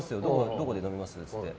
どこで飲みます？って言って。